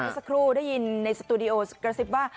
สักครู่ได้ยินในสตูดิโอกระซิบว่า